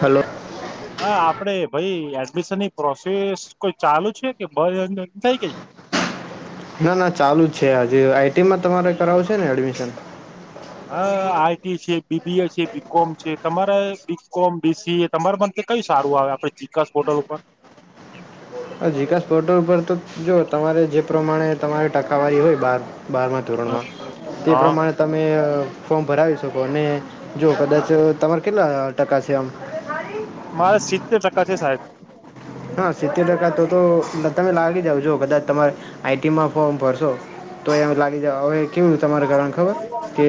Hello. હા, આપડે ભાઈ એડમિશનની પ્રોસેસ કોઈ ચાલુ છે, કે બ થઈ, ગઈ ના ના ચાલુ જ છે, આજ આઈટીમાં તમારે કરાવશે ને એડમિશન. હા, આઈટી છે, બીબીએ છે, બીકોમ છે, તમારે બીકોમ, બીસી, તમાર મ કયું સારું, આવે આપડે ચીસ બોટલ ઉપર જિકાસ પોર્ટલ પરર, તો જો તમારે જે પ્રમાણે, તમારી ટકાવારી હોય, બાર બારમા ધોરણમાં, તે હા પ્રમાણે તમે ફોર્મ ભરાવી, શકો અને જો કદાચ તમારે કેટલા ટકા છે, આમ મારા સીતેર ટકા છે, સાહેબ હા, સિત્તે્યોર ટકા તો તો તમે લાગી જાાવ છો, કદાચ તમારે આઈટીમાં ફોર્મ ભરશો તો એમ લાગી જવાવે કેમું તમારા કારણ ખબર, કે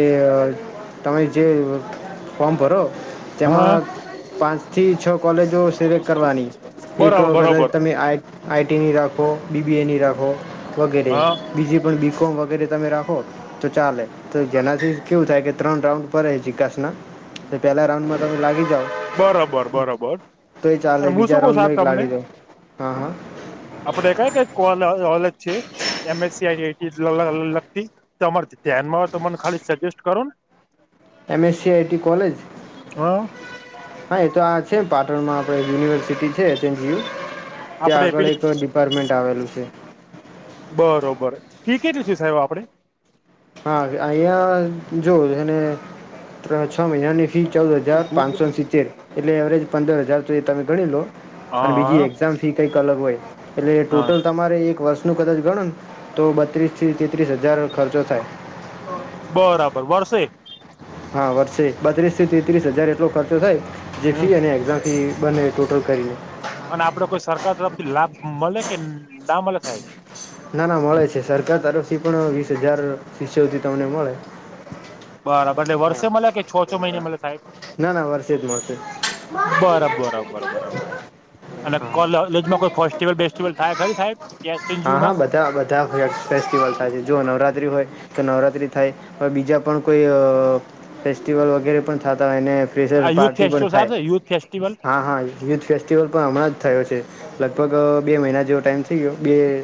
તમે જે ફોર્મ ભરો હા તેમાં પાંચથી છ, કોલેજો સિલેક્ટ કરવાની એક બરાબર વ કતા, બરોબર તમે આ આઈટીની રાખો બીબીએ, ની રાખો વગેરે હા બીજીે, પણ બીફ વગેરે તમે રાખો, તો ચાલે તો જેનાથી કેવું થાય, કે ત્રણ રાઉન્ડ ભે ચાસ ના પેલા રાઉન્ડમા, તમે લાગી જાઓ બરોબર, બરોબર તો એ ચાલે અને બીજા હસું સાહેબ, રાઉન્ડમાં એક તમને લાગી જાઓ હા હા આપડે ક કો એમસ લગતી, તમાર ધ્યાન માંને ખાલી સજેસ્ટ કરો ને એમ એસલેજ હા હા, એ તો આ પાટણમાં આપણે યુનિવર્સિટી છે, એચ એનજીયુ ત્યાં આપડે આગળ પેલી એક ડિપાર્ટમેન્ટ આવેલું છે જ બરોબર ફી કેટલી છે, સાહેબ આપડે હા, અહંયા જોવને છ, મહિનાની. ફી ચૌદ હજાર પાંચસોને સિત્તેર, એટલે એવરેજ પંદર હજાર,, તો એ તમે ગણી લો અને બીજી હા એક્ઝામ ફી કઈક અલગ હોય, એટલે હા ટોટલ તમારે એક વર્ષ નનું કદાચ ગણું, ને તો બત્રીસથી તેત્રીસ હજાર, ખર્ચો થાય બરાબર વર્ષે? હા, વર્ષે બત્રીસ થી, તેત્રીસ હજાર એટલો ખર્ચો થાય, જે હમ ફી અને એક્ઝામથી બને ટોટલ કરીએ અને આપડે કોઈ, સરકાર તરફથી લાભ મળે કે ના મળે થાય ના ના મળે છે સરકાર તરફથી પણ વીસ હજાર શિષ્યોથી તમને મળે બરાબર એટલે વર્ષે મલે કે છો છો મહિને મળે સાહેબ ના ના વરષે જ મળશે બરાબર બરાબર બરાબર અને હા કોલેલેજમાં કોઈ ફેસ્ટિવલ બેસ્ટિવલ થાય ખરી સાહેબ હા હા એસએનજીયુમાં બધા બધા ફેસ્ટિવલાય છે જો નવરાત્રી હોય તો નવરા થાય બીજા પણ કોઈ ફેસ્ટિવલ વગેરે પણ થ એને પ્રેશર આ યુથ પાર્ટી પણ ફેસ્ટિવલ થાય સાહેબ યુથ ફેસ્ટિવલ હા હા યુથ ફેસ્ટિવલ પણ હમણાં જ થયો છે લગભગ બે મહિના જેવો ટાઈમ થઈ ગયો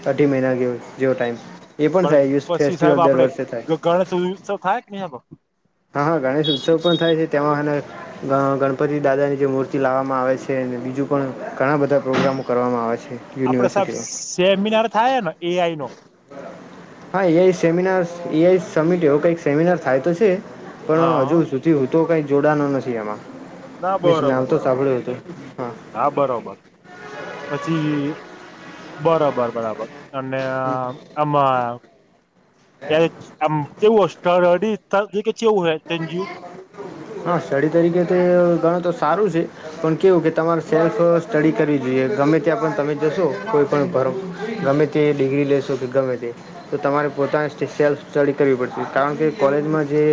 અઢી મહિના ગયો જેવો ટાઈમ એ થાય પણ યુથ પછી ફેસ્ટિવલ સાહેબ દર આપડે વર્ષે થાય ગણેશ ઉત્સવ થાય કે [unintelligible] હા હા ગણેશ ઉત્સવ પણ થાય છે તેમાં અને ગ ગણપતિ દાદાની જે મૂર્તિ લાવવામાં આવે છે અને બીજું પણ ઘણા બધા પ્રોગ્રામો કરવામાં આવે છે આપડે સાહેબ યુનિવર્સિટીમાં સેમિનાર થાય ને એઆઈ નો હા એઈ સેમિનાર એઆઈ સમિટ એવો કઈક સેમિનાર થાય તો છે પણ હજુ હા સુધી હું તો કઈ જોડાનો નથી એમાં ના મીન્સ બરોબર નામ તો બરોબર સાંભળ્યું હતું હા ના બરોબર પછી બરોબર બરાબર અને આમાં આમ કેવુંડીવું હુ [unintelligible] હા સ્ટડી તરીકે તે ગણો તો સારું છે પણ કેવું કે તમારે સેલ્ફ સ્ટડી કરવી જોઈએ કે ગમે ત્યાં પણ તમે જશો કોઈ પણ ભ ગમે તે ડિગ્રી લેશો કે ગમે તે તમારે રે પોતાની સેલફ સ્ટડી કરવી પડશે કારણ કે કોલેજમાં જે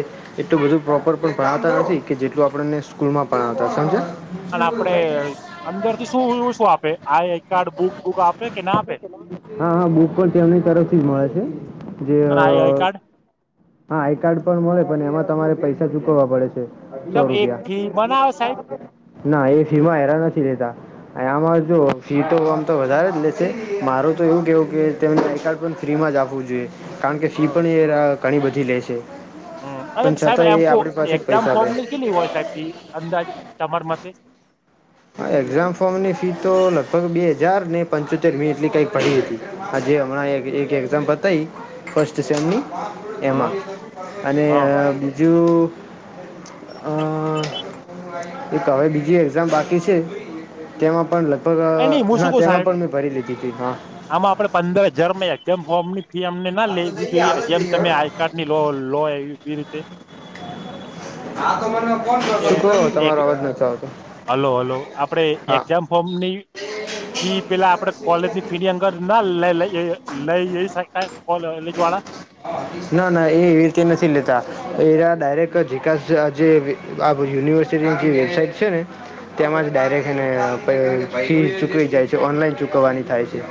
એટલું બધું પ્રોપર પણ ભણાવ નથી કે જેટલું આપણને સ્કૂલ માં પણાવતા સમજ્યા અને આપડે અંદર થી શુંવું શું આપે I I card book book આપ હા હા બુક પણ તેમની તરફથી મળે છે જે અને આઈ આઈ કાર્ડ હા આઈ કાર્ડ પણ મળે પણ એમાં તમારે પૈસા ચુકવવા પડે છે કેમ સો એ ફી મનાવે સાહેબ રૂપિયા ના એ ફી માં હેરા નથી લેતા આમાં જો ફી તો આમ તો વધારે જ લેશે માર તો એવું કહેવું કે તેમને આઈ કાર્ડ પણ ફ્રીમાં જ આપવું જોઈએ કારણ કે ફી પણ ઘણી બધી લે છે હા અને પણ સાહેબ છતાં એ એમક આપણી પાસે જ એક્ઝામ પૈસા ફોર્મ લે ની કેટલી હોય સાહેબ અંદાજ તમારા મતે એક્ઝામ ફોર્મની ફી તો લગભગ બે હજાર ને પંચોતેરમી એટલી કઈક પડી હતી જે હમણા એક એક એગ્ઝામ બતાય ફર્સ્ટ સેમની હ એમાં અને હ બીજું અ એક હવે બીજી એક્ઝામ બાકી છે તેમાં પણ લગભગ એ નઈ હું ના શું ક તેમાં સાહેબ પણ મેં ભરી લીધી હતી હા આમાં આપડે પંદર હજરમા એકજીમ ફોર્મ થી અમને ના આ તો લેવું જઈએ જોઈએ હાલ જ જેમ જઈએ તમે હળો. આઈ કાર્ડ ની લો લો એ વી રીતે. હા તો મને કોયો એ તમારો અવાજ નથી આવતો હલો હલો આપડે હા એક્ઝામ ફોર્મની ફી પેલા આપડે કોલેજ ની ફી ની અંદર ના લઈ લઈ જઈ શકાય કોલેજ વાળા ના ના એ એવી રીતે નથી લેતા એરા ડાયરેક ઝિકાસ આ જે આ યુનિવર્સિટીની જે વેબસાાઈટ છે ને તેમાં ડાયરેક્ટ એને પછી ચૂકવી જાય છે ઓનલાઈન ચૂકવવાની થાય છે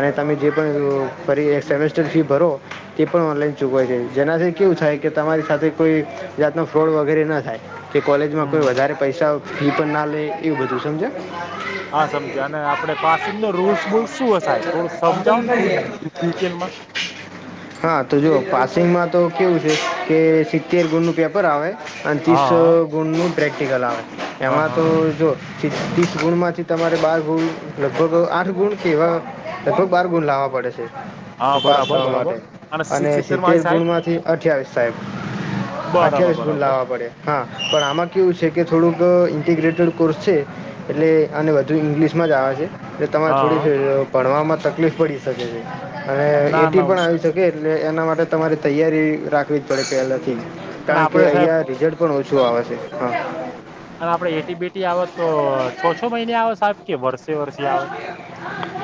અને તમે જે પણ ફરી એક સેમેસ્ટર ફી ભરો તે પણ ઓનલાઈન ચૂકવાય છે જેનાથી કેવું થાય કે તમારી સાથે કોઈ જાતનો ફ્રોડ વગેરે ન થાય કે કોલેજમાં કોઈ હમ વધારે પૈસા એ પણ ના લે એવું બધું સમજા [unintelligible] હા સમજા અને આપડે પાસિંગ નો રૂલ્સ બુલ્સ શું થો અફઝલ સમજાવો ને થોડું નહીં ડિટેલમાં-' હા તો જોુ પાસિંગમાં તો કેવું છે કે સિત્તેર ગુણનું પેપર આવે અને ત્રીસો હા ગુણનું પ્રેક્ટિકલ આવે હા એમાં તો હા જો ત્રીસ ગુણમાંથી તમારે બાર ગુણ લગભગ આઠ ગુણ કે એવા લગભગ બાર ગુણ લાવવા પડે છે. હા પાસ બરાબર થવા બરાબર માટે, અને સિત્તેર સિતતેર મારી સાહેબ ગુણમાંથી અઠવીસ સાહેબ. બરાબર અઠવીસ ફૂટ બરાબર લાવવા પડે હા પણ આમાં કેવું છે કે થોડુંક ઇન્ટીગ્રેટેડ કોર્સ છે, એટલે આને વધુ ઇંગ્લિશમાં જ આવે છે. એ તમારે હા થોડી ભણમાં તકલીફ પડી શકે છે. અને ના એઠ ના પણ આવી શકે એટલે એના માટે તમારે તૈયારી રાખવી જ પડે પહેલા થી જ. અને કારણ કે આપડે સાહેબ અહિયાં રિઝલ્ટ પણ ઓછું આવે છે હા. અને આપડે એટી બેટી આવે તો છ છ મહિને આવે સાબ કે વર્ષ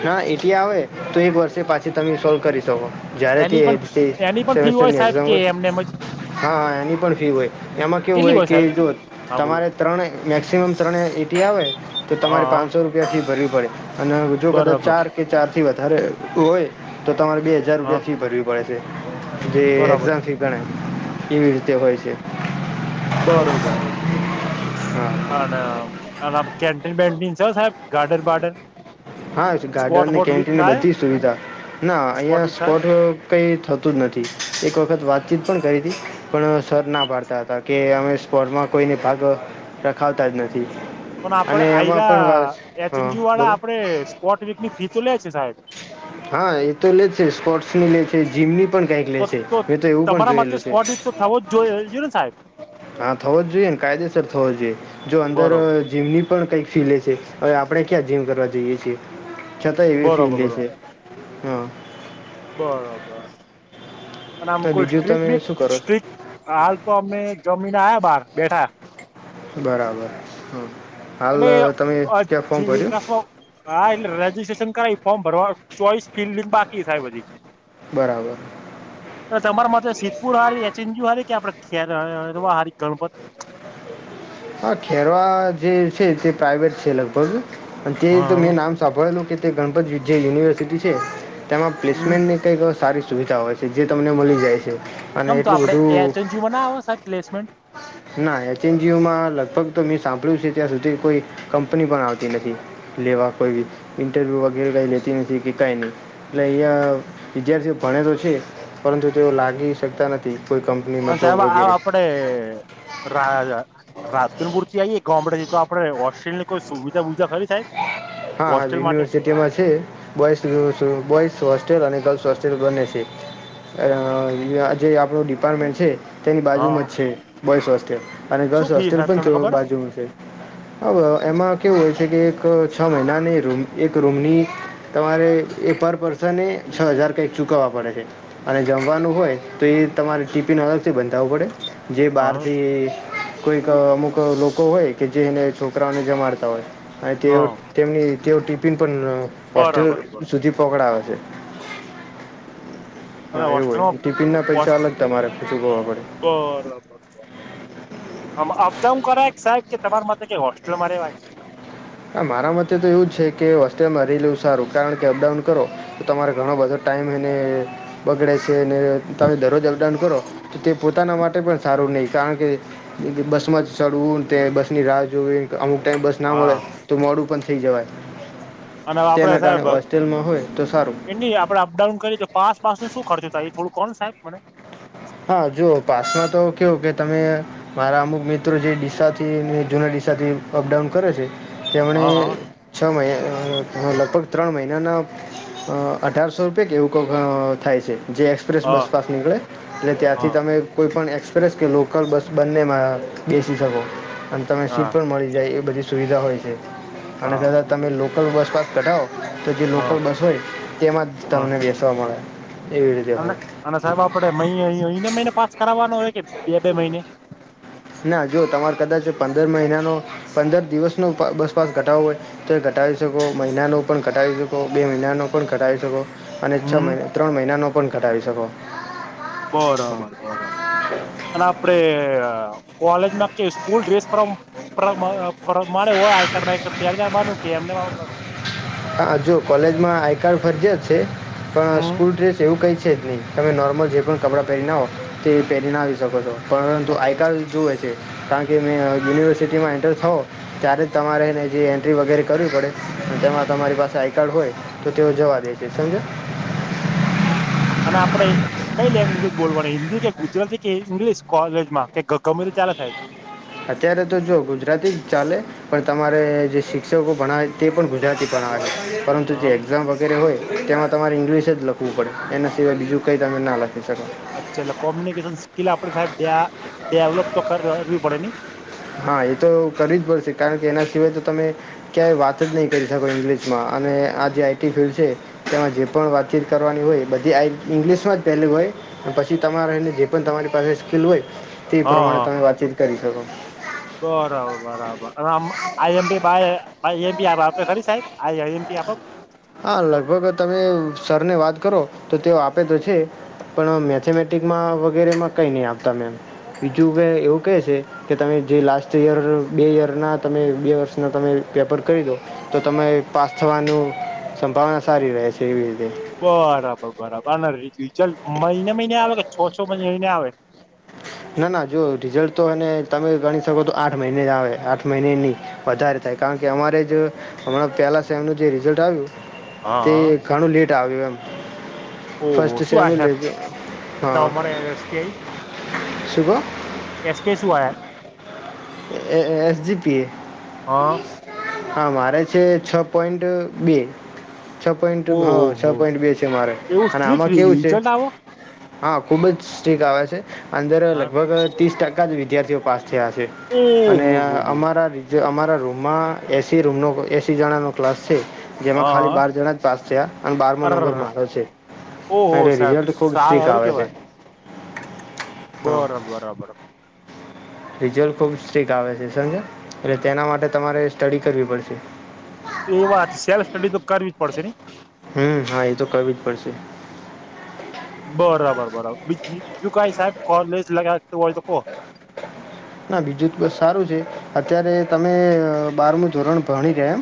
ના એથી આવે તો એક વર્ષે પાછી તમે સોલ્વ કરી શકો. જયારે થી એની પણ એ એની પણ ફી હોય સેમેસ્ટરની સાહેબ એક્ઝામ કે હો એમને એમ જ હા એની પણ ફી હોય, એમાં કેવું કેટલી હોય કે સાહેબ જો હા બોલો તમારે ત્રણે મેક્સિમમ ત્રણે આવે, તો હા તમારે હા પાંચસો રૂપિયા થી ભરી જો કદાચ બરાબર ચાર કે ચાર થી વધારે હોય તો તમારે બે હજાર હા રૂપિયા ફી ભરવી પડે છે, જે બરાબર એક્ઝામ ફી ગણે. એવીડતે હોય છે. બરોબર. હા અને અને કેન્ટીન વેન્ટીન છે સાહેબ ગાર્ડન બાર્ડન? હા સ્પોટ ગાર્ડન બોટ વીક કેન્ટીનની થાય બધી સુવિધા, ના અહીયાં વીક થાય સ્પોટ કઈ થતું જ નથી. એક વખત વાતચીત પણ કરી હતી. પણ સર ના ભડતા હતા કે અમે સ્પોર્ટમાં કોઈને ભાગ, રખાવતા જ નથી. પણ આપડે અને એમાં પણ આયરા વાત હ એચએનજી વાળા બોલો. આપડે સ્પોટ વીક ની ફી તો લે છે સાહેબ હા એ તો લે છે સ્પોર્ટસ ની લે છે જીમની પણ કઈક તો લેશે, મેં તો એવું પણ તમારા મતે જોયેલું છે. સ્પોટ વીક તો થવો જ જોઈ જોઈએ ને સાહેબ હા થવો જ જોઈએ ને કાયદેસર થવો, જ જોઈએ જો અંદર બરોબર જીમની પણ કઈ ફીલે છે, હવે આપણે ક્યાં જીમ કરવા જઈએ છીએ. છતાં એવી બરોબર ફી બરોબર છે હા. બરોબર. અને આમ તો કોઈ બીજું સ્ટ્રીટ તમે બી શું કરો સ્ટ્રીક હાલ તો અમે જમીન આયા બહાર બેઠા. બરાબર હા. હાલ તમે એટ ક્યાં ફોર્મ ભર્યું જેમાં હા એટલે રજીિસ્ટ્રેશન કરાવ ફોર્મ ભરવા ચોઈસ ફિલ્ડિંગ બાકી છે હજી. બરાબર. સિદ્પુર હારી એચ એન જુ હારી કે આપડે ખેવા હારી ગણપત. હા ખેરવા જે છે તે પ્રાઇવેટ છે લગભગ. અને તે તો હા મેં નામ સાંભળેલું કે તે ગણપત વિજ્યા યુનિવર્સિટી છે. તેમાં હમ પ્લેસમેન્ટની કંઈક સારી સુવિધા હોય છે જે તમને મળી જાય છે. અને કેમ તો એટલું આપડે બું એચએનજીયુ માં ના આવે સાહેબ પ્લેસમેન્ટ ના લગભગ તો મેં સાંભળ્યું છે ત્યાં સુધી કોઈ, કંપની પણ આવતી નથી લેવા કોઈ બી ઇન્ટરવ્યૂ વગેરે ક લેતી નથી કે કઈ નહી, એટલે અહીંયા વિદ્યાર્થીઓ ભણે તો છે, પરંતુ તેઓ લાગે શકતા નથી. કોઈ હ કંપનીમાં જોબ સાહેબ આ વગેરે આપડે રાજા રાતન પૂરતી આઈયએ ગ તો આપડે હોસ્ટેલની કોઈ સુવિધા બવિધા ખરી થાય. હા હા યુનિવર્સિટીમાં છે, બોસ બો હોલ બ છે જે આપ ડિપાર્ટમેન્ટ છે [unintelligible] તેની બાજુમાં જ હા છે બોઈસ, હોસ્ટેલ અને ગર્લ્સ શું ફી હોસ્ટેલ સાહેબ પણ તે તમને ખબર બાજુમાં છે. હ એમાં કેવું હોય છે કે એક છ મહિનાની રૂમ એક રૂમની, તમારે એ પર પર્સને છ હજાર કંઈક ચૂકવવા પડે છે, અને જમવાનું હોય તો એ તમારે ટીપિન અલગથી બંધાવવું પડે. જે હ બહારથી કોઈક અમુક લોકો હોય કે જે એને છોકરાઓને જમારતા હોય, અને તે હ તેઓ ટિફિન પણ હોસ્ટેલ બરાબર બરાબર સુધી પકડાવે છે અને હા એવું હોસ્ટલમાં હોય ટિફિનના પૈસા [unintelligible] અલગ તમારે ચૂકવવા પડે આમા અપડાઉન કરાય સાહેબ કે તમારા માટે કઈ હોસ્ટેલમાં રહેવાય હા મારા મતે તો એવું જ છે કે હોસ્ટેલમાં રેલુ સારું કારણ કે અપડાઉન કરો તો તમારે ઘણો બધો ટાઈમ એને બગડે છે અને તમે દરરોજ અપડાઉન કરો તો તે પોતાના માટે પણ સારું નહીં કારણ કે બસમાં જ ચડવું તે બસની રાહ જોવી અમુક ટાઈમ બસ ના મળે હા તો મોડું પણ થઇ જવાય અને આપડે તેના કારણે સાહેબ હોસ્ટેલમાં હોય તો સારું એ ની આપડે અપડાઉન કરીએ કે પાસ પાસ ન શું ખર્ચ થાય થોડું કોન સાહેબ મને હા જોઓ પાસમાં તો કેવું કે તમે મારા અમુક મિત્રો જે ડીસાથી જૂના ડીશાથી અપડાઉન કરે છે તેમણે હા છ મહિના લગભગ ત્રણ મહિનાના અઢારસો રૂપિયા કે એવું ક થાય છે જે એક્સપ્રેસ હા બસપાસ નીકળે એટલે ત્યાંથી હા તમે કોઈપણ એક્સપ્રેસ કે લોકલ બસ બંનેમાં બેસી શકો અને તમને હા સીટ પણ મળી જાય એ બધી સુવિધા હોય છે અને હા કદા તમે લોકલ બસ પાસ કઢાવો તો જે હા લોકલ બસ હોય તેમાં જ હા તમને બેસવા મળે એવી રીતે અને હોય અને સાહેબ આપડે મહી [unintelligible] મહિના મહિને પાસ કરવાનો હોય કે બે બે મહિને ના જો તમારે કદાચ પંદર મહિના નો પંદર દિવસ નો બસ મા ઘટાવો હોય તો ઘટાવી શકો મહિના નુ પણ ઘટાવી શકો મહિનાનો પણ કડાવી શકો અને છો હમ ત્રણ મહિનાનો પણ કડાવી શકો બરોબર હા બરોબર અને આપડે કોલેજ સ્કૂલ ડ્રેસ પરાદ મારે હોય આઈ કાર્ડ બાઈ કાર્ડ પહેરી ને એમને આવાનું વા બનું હા જો કોલેજમાં આઈ કાર્ડ ફરજિયાત છે પણ હમ સ્કૂલ ડ્રેસ એવું કઈ છે છે જ નહીં તમે નોર્મલ જે પણ કપડાં પહેરી ને આવો તે પહેરીને આવી શકો છો પરંતુ આઈ કાર્ડ લીધુ હોય [inaudible] કારણ કે મેં યુનિવર્સિટીમાં એન્ટર થવો ત્યારે જ તમારેને જે એન્ટ્રી વગેરે કરવી પડ તેમાં તમારી પાસે આઈ કાર્ડ હોય તો તેઓ જવા દે છે સમજી યો અને આપડે કઈ લેંગ્વેજ બોલવાની હિન્દી કે ગુજરાતી કે ઇંગ્લિશ કોલેજમાં કે ગમે ચાલે થાય અત્યારે તો જો ગુજરાતી જ ચાલે પણ તમારે જે શિક્ષકો ભણ તે પણ ગુજરાતી ભણાવ છે પરંતુ હા જે એક્ઝામ વગેરે હોય તેમાં તમારે ઇંગ્લિશ જ લખવું પડે એનાિવાય બીજું કંઈ તમે ના લખી શકો અચ્છાને એટલે કોમ્યુનિકેશન સ્કીિલ આપડે ડેવ ડેવલોપ તો કરવી પડે ને હા એ તો કરવી પડશે કારણ કે એના સિવાય તો તમે ક્યાંય વાત જ નહી કરી શકો ઇંગ્લિશમાં અને આ જે આઈટી ફિલ્ડ છે તેમાં જે પણ વાતચીત કરવાની હોય બધી આઈ ઇંગ્લિશમાં જ પહેલી હોય પછી તમારેને જે બરાબર ભાઈ એમી આપ આપડે ખરી સાહેબ આ એમ પી આપો હા લગભગ તમે સરને વાત કરો તો તેઓ આપે તો છે પણ મેથેમેટિકમાં વગેરેમાં કઈ નહી આપતા મેમ બીજું કે એવું કહે છે કે તમે જે લાસ્ટ યર બે યરના તમે બે વર્ષના તમે પેપર કરી દો તો તમે પાસ થવાનું સંભાવના સારી રહે છે એવી રીતે બરાબર બરાબર રિજલ્ટ મહિને મહિને આવે કે છો છો મહિને આવે [inaudible] ના ના જો રિઝલ્ટ તો તમે ગણી શકો તો આઠ મહિને જ આવે આઠ મહિને નની વધારે ને કારણ કે અમારે જો હમણાં પહેલાં સેમનું જે રિઝલ્ટ આવ્યું તે હા ઘણું લેટ આવ્યું એમ ઓહ ફર્સ્ટ શું આ સેમનું છે લેટ તો હા અમારે એસબીઆઈ શું કહો કેસ્ટે સુ આયા એસ જીપી એ હા હા, મારે છે, છ પોઈન્ટ બે છ, પોઈન્ટ હ છ, ઓહો પોઈન્ટ બે છે, મારે એવું અને સ્ટ્રીક આમાં કેવું છે. રિઝલ્ટ આવો હા, ખુબજ સ્ટીક આવે છે, અંદર હા લગભગ ત્રીસ ટકા જ. વિદ્યાર્થીઓ પાસ થયા છે, અને ઓહો હો અમારા જે અમારા રૂમમાં એસી, રૂમનો એસી જણાનો ક્લાસ છે. જેમાં ખાલી હા બાર જણા, જ પાસ થયા અને બારમો અર નંબર મારો છે. ઓહો અરે સાહેબ રિઝલ્ટ ખુબ સ્ટ્રીક, આવે છે. હા બરો, બરોબર. રિઝલ્ટ ખૂબ સ્ટ્રીક આવે છે, સમજીયો એટલે તેના માટે તમારે સ્ટડી કરવી પડશે એ વાત સેલ્ફ સ્ટડી તો કરવી જ પડશે ને હમ, હા એ તો કરવી જ પડશે. બરાબર, બરાબર બીજું કાઈ સાહેબ કોલેજ લગ્યા ના બીજું, તો બસ સારું છે અત્યારે, તમે બારમું ધોરણ ભણી રહે, એમ